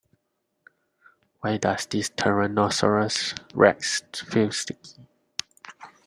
Why does this tyrannosaurus rex feel sticky?